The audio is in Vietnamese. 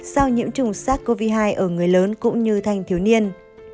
sau nhiễm trùng sars cov hai ở người lớn cũng như thanh thiếu niên